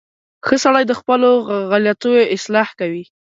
• ښه سړی د خپلو غلطیو اصلاح کوي.